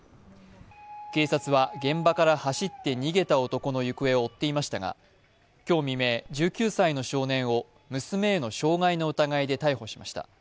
警察は現場から走って逃げた男の行方を追っていましたが、今日未明、１９歳の少年を娘への傷害の疑いで逮捕しました。